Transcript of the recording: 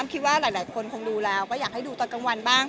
คิดว่าหลายคนคงดูแล้วก็อยากให้ดูตอนกลางวันบ้าง